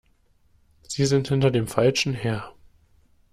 Sie sind hinter dem Falschen her!